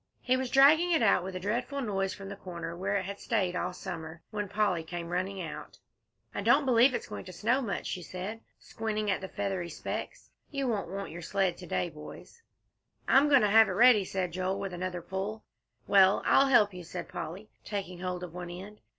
He was dragging it out with a dreadful noise from the corner where it had stayed all summer, when Polly came running out. "I don't believe it's going to snow much," she said, squinting at the feathery specks. "You won't want your sled to day, boys." "I'm goin' to have it ready," said Joel, with another pull. "Well, I'll help you," said Polly, taking hold of one end.